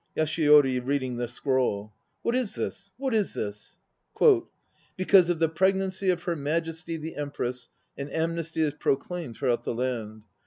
YASUYORI (reading the scroll). What is this? What is this? "Because of the pregnancy of Her Majesty the Empress, an am nesty is proclaimed throughout the land.